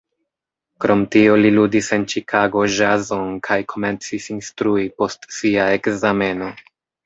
Krom tio li ludis en Ĉikago ĵazon kaj komencis instrui post sia ekzameno.